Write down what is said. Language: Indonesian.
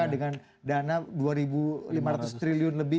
dengan dana dua lima ratus triliun lebih